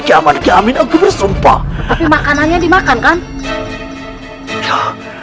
kiaman kiamin aku bersumpah tapi makanannya dimakan kan